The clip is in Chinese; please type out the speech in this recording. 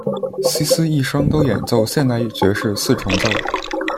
希斯一生都演奏现代爵士四重奏。